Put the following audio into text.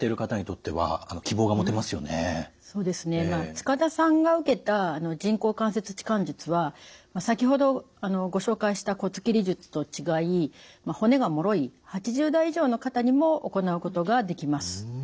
塚田さんが受けた人工関節置換術は先ほどご紹介した骨切り術と違い骨がもろい８０代以上の方にも行うことができます。